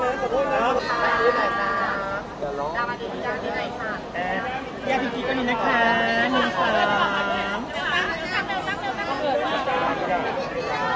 สวัสดีครับสวัสดีครับ